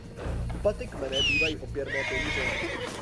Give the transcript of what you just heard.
U paty kmene bývají opěrné pilíře.